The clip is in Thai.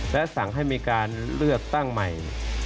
และสั่งให้มีการเลือกตั้งใหม่